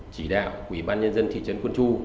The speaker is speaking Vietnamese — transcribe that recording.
chỉ đạo ủy ban nhân dân thị trấn quân chu